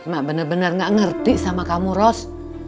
mak bener bener gak ngerti sama kamu ros